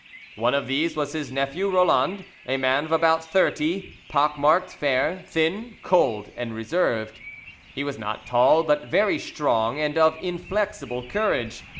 One of these was his nephew Roland, a man of about thirty, pock marked, fair, thin, cold, and reserved; he was not tall, but very strong, and of inflexible courage.